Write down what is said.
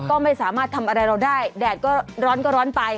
ก็ไม่สามารถทำอะไรเราได้แดดก็ร้อนก็ร้อนไป